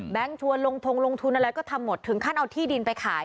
ชวนลงทงลงทุนอะไรก็ทำหมดถึงขั้นเอาที่ดินไปขาย